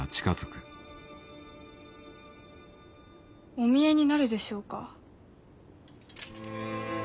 ・お見えになるでしょうか。